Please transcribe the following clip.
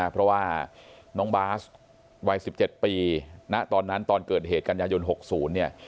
เพราะว่าน้องบาสวัย๑๗ปีณตอนนั้นตอนเกิดเหตุกันยายน๖๐เนี่ย